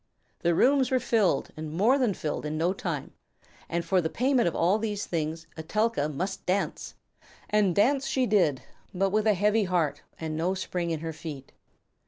The rooms were filled and more than filled in no time, and for the payment of all these things Etelka must dance! And dance she did, but with a heavy heart and no spring in her feet.